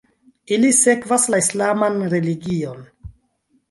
Ili sekvas la islaman religion.